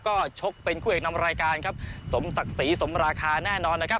ก็ชกเป็นคู่เอกนำรายการครับสมศักดิ์ศรีสมราคาแน่นอนนะครับ